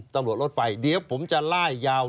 ตำรวจรถไฟเดี๋ยวผมจะล่ายยาว